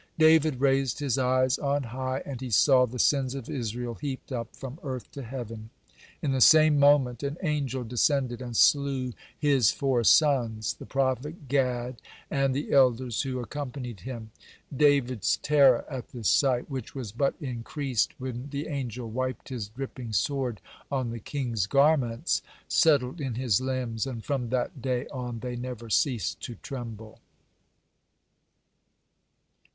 (123) David raised his eyes on high, and he saw the sins of Israel heaped up from earth to heaven. In the same moment an angel descended, and slew his four sons, the prophet Gad, and the elders who accompanied him. David's terror at this sight, which was but increased when the angel wiped his dripping sword on the king's garments, settled in his limbs, and from that day on they never ceased to tremble.